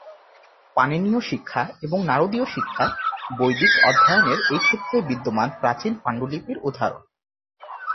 পাণিনিয়-শিক্ষা এবং নারদীয়-শিক্ষা বৈদিক অধ্যয়নের এই ক্ষেত্রের বিদ্যমান প্রাচীন পাণ্ডুলিপির উদাহরণ।